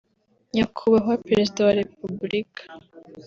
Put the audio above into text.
« Nyakubahwa Perezida wa Repubulika